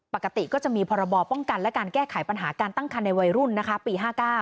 ปกติก็จะมีพรบป้องกันและการแก้ไขปัญหาการตั้งคันในวัยรุ่นปี๕๙